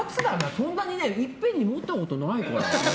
そんないっぺんに持ったことないよ。